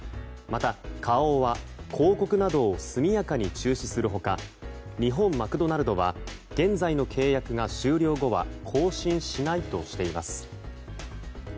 また花王は、広告などを速やかに中止する他日本マクドナルドは現在の契約が終了後は更新しないとしています。